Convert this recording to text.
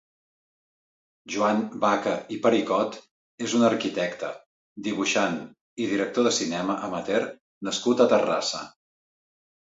Joan Baca i Pericot és un arquitecte, dibuixant i director de cinema amateur nascut a Terrassa.